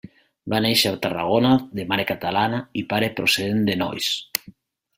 Va néixer a Tarragona de mare catalana i pare procedent de Nois.